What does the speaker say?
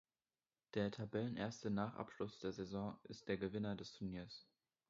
Der Tabellenerste nach Abschluss der Saison ist der Gewinner des Turniers.